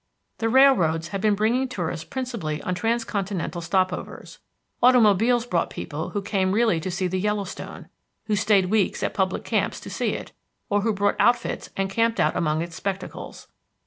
The railroads had been bringing tourists principally on transcontinental stop overs. Automobiles brought people who came really to see the Yellowstone, who stayed weeks at public camps to see it, or who brought outfits and camped out among its spectacles.